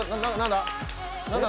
何だ？